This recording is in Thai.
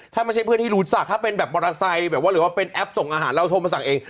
ถ้าไม่ใช่เพื่อนที่รู้จักถ้าเป็นแบบมอเตอร์ไซค์แบบว่าหรือว่าเป็นแอปส่งอาหารเราโทรมาสั่งเอง